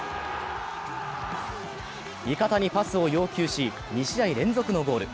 味方にパスを要求し２試合連続のゴール。